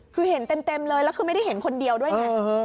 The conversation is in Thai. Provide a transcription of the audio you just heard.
คือเห็นเต็มเลยแล้วคือไม่ได้เห็นคนเดียวด้วยไง